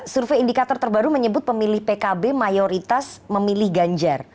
survei indikator terbaru menyebut pemilih pkb mayoritas memilih ganjar